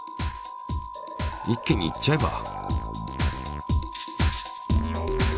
一気にいっちゃえば？